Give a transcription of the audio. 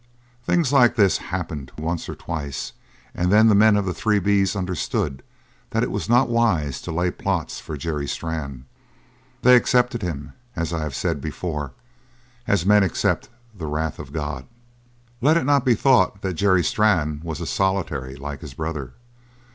Things like this happened once or twice and then the men of the Three B's understood that it was not wise to lay plots for Jerry Strann. They accepted him, as I have said before, as men accept the wrath of God. Let it not be thought that Jerry Strann was a solitary like his brother.